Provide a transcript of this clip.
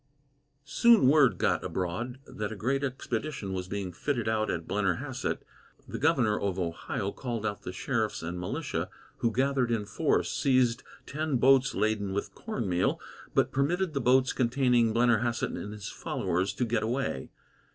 Soon word got abroad that a great expedition was being fitted out at Blennerhassett; the governor of Ohio called out the sheriffs and militia, who gathered in force, seized ten boats laden with corn meal, but permitted the boats containing Blennerhassett and his followers to get away.